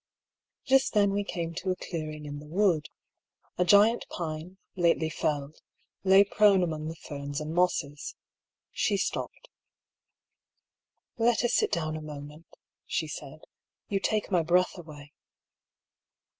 Just then we came to a clearing in the wood. A giant pine, lately felled, lay prone among the ferns and mosses. She stopped. " Let us sit down a moment," she said ;" you take my breath away."